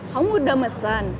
kamu udah mesan